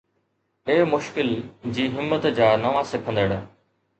اي مشڪل جي همت جا نوان سکندڙ